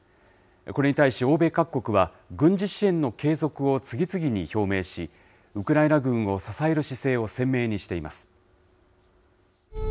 これに対し、欧米各国は、軍事支援の継続を次々に表明し、ウクライナ軍を支える姿勢を鮮明にしています。